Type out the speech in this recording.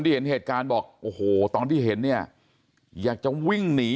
เห็นเหตุการณ์บอกโอ้โหตอนที่เห็นเนี่ยอยากจะวิ่งหนี